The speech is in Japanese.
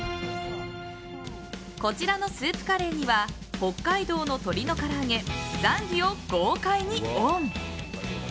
こちらのスープカレーには北海道の鶏のから揚げザンギを豪快にオン。